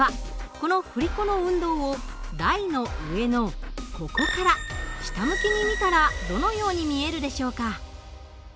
この振り子の運動を台の上のここから下向きに見たらどのように見えるでしょうか？